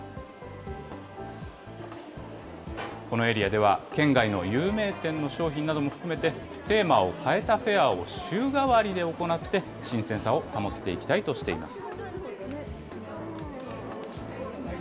このエリアでは、県外の有名店の商品なども含めて、テーマを変えたフェアを週替わりで行って、新鮮さを保っていきたいとしています。